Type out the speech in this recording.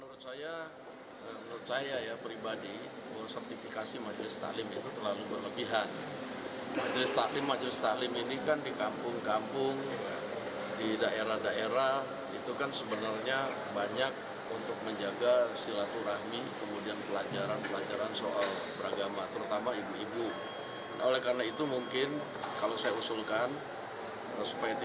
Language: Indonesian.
oleh karena itu mungkin kalau saya usulkan supaya tidak terjadi gejolak lebih baik permenak itu ditinjau kembali atau dikaji ulang